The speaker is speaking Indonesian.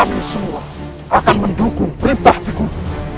kami semua akan mendukung perintah dikubur